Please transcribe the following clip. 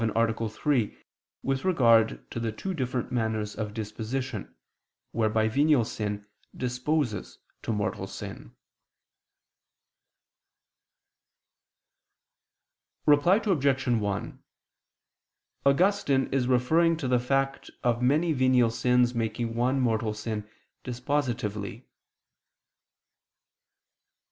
3) with regard to the two different manners of disposition, whereby venial sin disposes to mortal sin. Reply Obj. 1: Augustine is referring to the fact of many venial sins making one mortal sin dispositively.